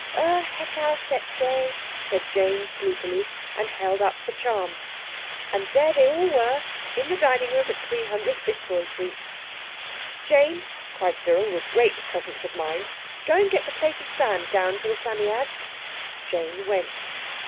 "Ur Hekau Setcheh," said Jane sleepily, and held up the charm. And there they all were in the dining room at 300, Fitzroy Street. "Jane," cried Cyril with great presence of mind, "go and get the plate of sand down for the Psammead." Jane went.